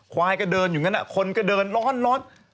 ควายก็เดินอยู่งั้นคนก็เดินร้อน